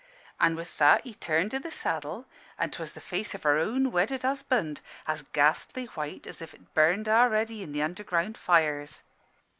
"An' with that he turned i' the saddle; an' 'twas the face o' her own wedded husband, as ghastly white as if 't burned a'ready i' the underground fires.